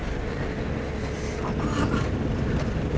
ここは？